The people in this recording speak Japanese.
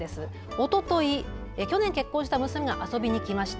おととい、去年結婚した娘が遊びに来ました。